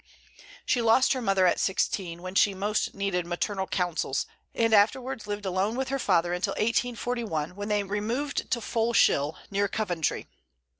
She lost her mother at sixteen, when she most needed maternal counsels, and afterwards lived alone with her father until 1841, when they removed to Foleshill, near Coventry.